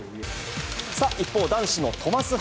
さあ、一方、男子のトマス杯。